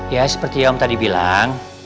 ya seperti om tadi bilang